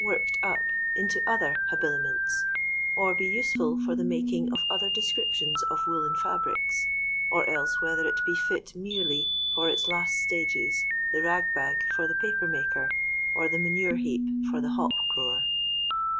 ^^2^tl "worked up into other habiliments, or be useful I „, fn^tn" for the making of other descriptions of woollen fiibrics ; or else whether it be fit merely for its last stages — the rag bag for the paper maker, or the manure heap for the hop grower.